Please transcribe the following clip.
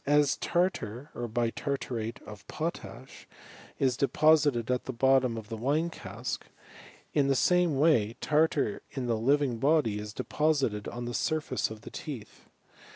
4 tartar [bitartrate of potash) is deposited at the bottol of the wine cask, in the same way tartar in the livin body is deposited on the surface of the teeth.